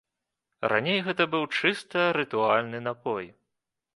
Раней гэта быў чыста рытуальны напой.